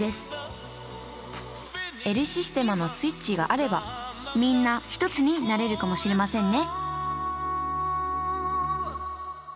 エル・システマのスイッチがあればみんな一つになれるかもしれませんね